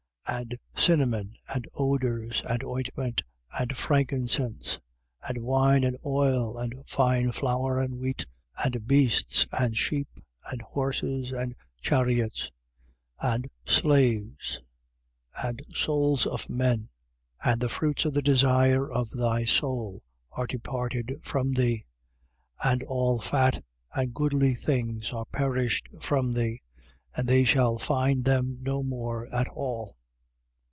And cinnamon and odours and ointment and frankincense and wine and oil and fine flour and wheat and beasts and sheep and horses and chariots: and slaves and souls of men. 18:14. And the fruits of the desire of thy soul are departed from thee: and all fat and goodly things are perished from thee. And they shall find them no more at all.